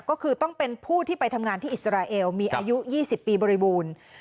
ก็คือต้องเป็นผู้ที่ไปทำงานที่อิสราเอลมีอายุ๒๐ปีบริบูรณ์